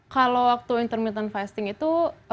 kalau waktu intermittent fasting itu